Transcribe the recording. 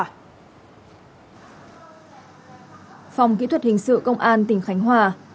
phòng kỹ thuật hình sự công an tỉnh khánh hòa